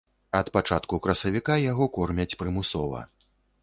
Ад пачатку красавіка яго кормяць прымусова.